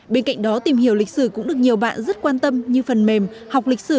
bên cạnh đó tìm hiểu lịch sử cũng được nhiều bạn rất quan tâm như phần mềm học lịch sử